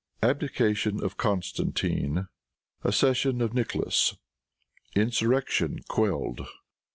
Abdication of Constantine. Accession of Nicholas. Insurrection Quelled.